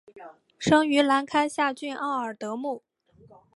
生于兰开夏郡奥尔德姆。